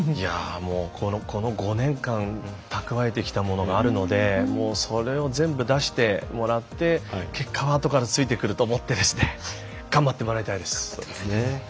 この５年間蓄えてきたものがあるのでそれを全部出してもらって結果はあとからついてくると思ってですね頑張ってもらいたいです。